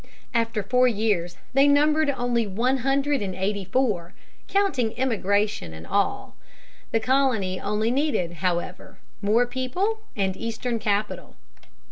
After four years they numbered only one hundred and eighty four, counting immigration and all. The colony only needed, however, more people and Eastern capital.